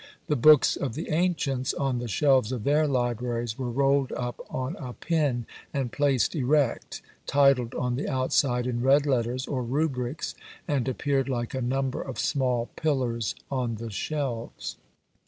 The books of the ancients on the shelves of their libraries were rolled up on a pin and placed erect, titled on the outside in red letters, or rubrics, and appeared like a number of small pillars on the shelves.